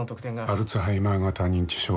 アルツハイマー型認知症。